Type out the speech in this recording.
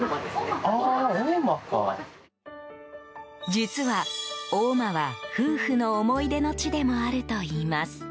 実は、大間は夫婦の思い出の地でもあるといいます。